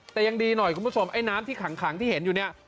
แต่ยังดีหน่อยคุณผู้ชมไอ้น้ำที่ขังที่เห็นอยู่เนี่ย